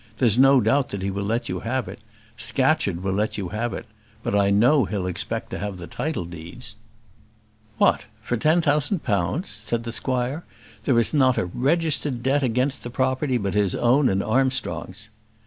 There is no doubt he'll let you have it. Scatcherd will let you have it; but I know he'll expect to have the title deeds." "What! for ten thousand pounds?" said the squire. "There is not a registered debt against the property but his own and Armstrong's."